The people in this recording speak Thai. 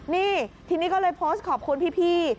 นี่ทีนี้ก็เลยโพสต์ขอบคุณพี่